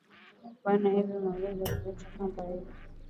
Bana iba ma nguwo niliacha kulu kamba